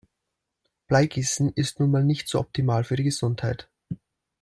Bleigießen ist nun mal nicht so optimal für die Gesundheit.